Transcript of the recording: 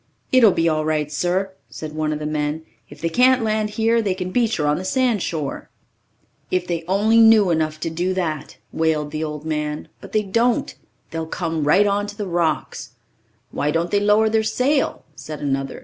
"It'll be all right, sir," said one of the men. "If they can't land here, they can beach her on the sandshore." "If they only knew enough to do that," wailed the old man. "But they don't they'll come right on to the rocks." "Why don't they lower their sail?" said another.